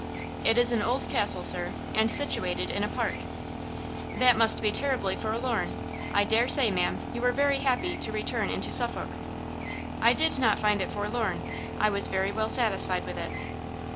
"It is an old castle, Sir, and situated in a park." "That must be terribly forlorn; I dare say, ma'am, you were very happy to return into Suffolk." "I did not find it forlorn; I was very well satisfied with it."